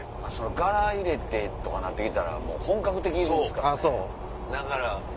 がら入れてとかなって来たら本格的ですからね。